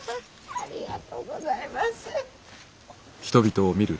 ありがとうございます。